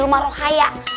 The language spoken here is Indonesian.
bocah ngapasih ya